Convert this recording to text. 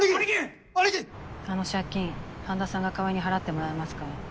アあの借金般田さんが代わりに払ってもらえますか？